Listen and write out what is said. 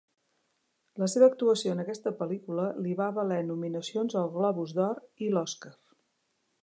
La seva actuació en aquesta pel·lícula li va valer nominacions al Globus d'Or i l'Oscar.